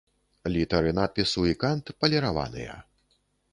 Літары надпісу і кант паліраваныя.